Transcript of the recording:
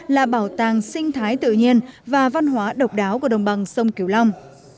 là bảo tàng sinh thái tự nhiên và văn hóa độc đáo của đồng bằng sông kiều long